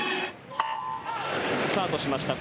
スタートしました。